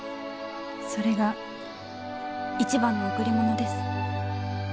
それが一番の贈り物です。